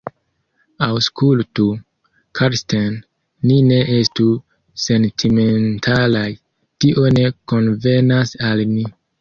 Aŭskultu, Karsten, ni ne estu sentimentalaj; tio ne konvenas al ni.